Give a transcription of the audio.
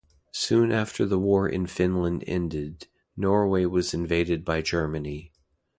Soon after the war in Finland ended, Norway was invaded by Germany.